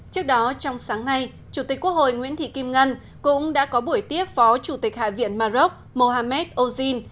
trước đó trong sáng nay chủ tịch quốc hội nguyễn thị kim ngân cũng đã có buổi tiếp phó chủ tịch hạ viện maroc mohamed ozin